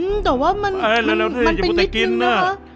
อืมแต่ว่ามันเป็นนิดนึงนะ